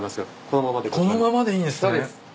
このままでいいんですね。